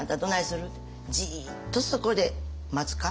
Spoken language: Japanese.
「じっとそこで待つか？